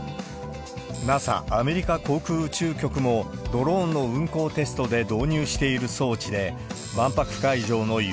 ＮＡＳＡ・アメリカ航空宇宙局も、ドローンの運航テストで導入している装置で、万博会場の夢